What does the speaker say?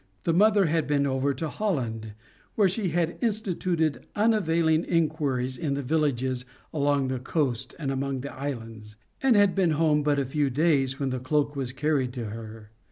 The mother had been over to Holland, where she had instituted unavailing inquiries in the villages along the coast and among the islands, and had been home but a few days when the cloak was carried to her.